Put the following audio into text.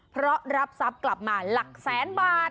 เพราะรับทรัพย์กลับมาหลักแสนบาท